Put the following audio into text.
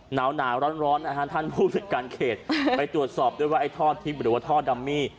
หนาวร้อนนะฮะท่านผู้จัดการเขตไปตรวจสอบด้วยว่าไอ้ท่อทิพย์หรือว่าท่อดัมมี่